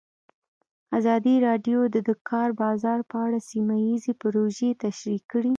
ازادي راډیو د د کار بازار په اړه سیمه ییزې پروژې تشریح کړې.